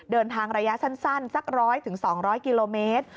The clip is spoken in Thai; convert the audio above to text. เดินทางระยะสั้นซัก๑๐๐๒๐๐กิโลเมตร